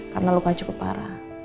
karena luka cukup parah